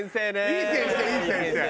いい先生いい先生。